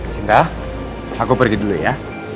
sampai jumpa di video selanjutnya